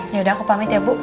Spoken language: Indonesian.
yaudah aku pamit ya bu